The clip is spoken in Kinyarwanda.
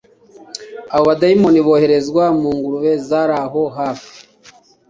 abo badayimoni boherezwa mungurube z’araho hafi